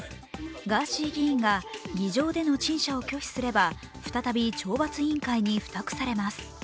ガーシー議員が議場での陳謝を拒否すれば再び懲罰委員会に付託されます。